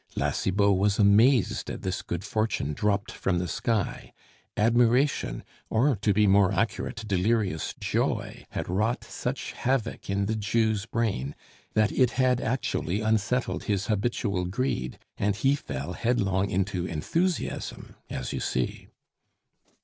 La Cibot was amazed at this good fortune dropped from the sky. Admiration, or, to be more accurate, delirious joy, had wrought such havoc in the Jew's brain, that it had actually unsettled his habitual greed, and he fell headlong into enthusiasm, as you see.